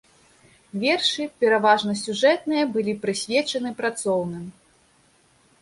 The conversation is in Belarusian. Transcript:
Вершы, пераважна сюжэтныя былі прысвечаны працоўным.